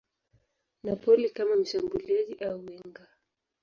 Napoli kama mshambuliaji au winga.